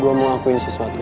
gue mau ngakuin sesuatu